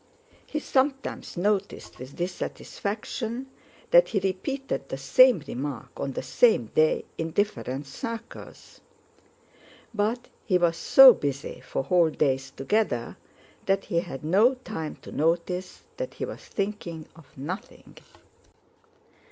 He sometimes noticed with dissatisfaction that he repeated the same remark on the same day in different circles. But he was so busy for whole days together that he had no time to notice that he was thinking of nothing.